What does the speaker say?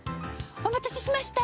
お待たせしました。